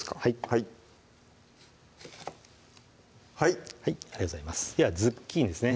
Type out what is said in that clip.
はいはいありがとうございますではズッキーニですね